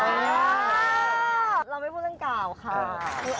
เราไม่พูดเรื่องกล่าวค่ะ